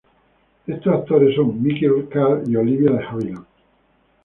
Esos actores son Mickey Kuhn y Olivia de Havilland.